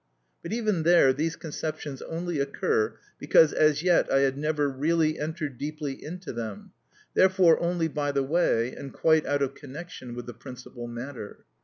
But even there these conceptions only occur because as yet I had never really entered deeply into them, therefore only by the way and quite out of connection with the principal matter.